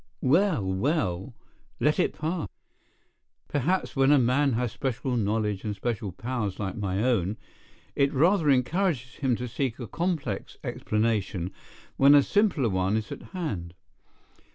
Well, well, let it pass. Perhaps, when a man has special knowledge and special powers like my own, it rather encourages him to seek a complex explanation when a simpler one is at hand.